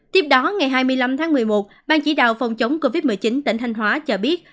tiếp đó ngày hai mươi năm tháng một mươi một ban chỉ đạo phòng chống covid một mươi chín tỉnh thanh hóa cho biết